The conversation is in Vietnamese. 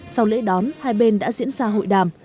sau lễ đón hai bên đã diễn ra hội đàm